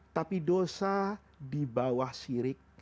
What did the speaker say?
tapi dosa di bawah sirik